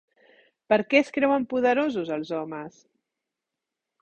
Per què es creuen poderosos els homes?